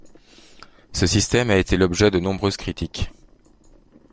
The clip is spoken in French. Ce système a été l'objet de nombreuses critiques.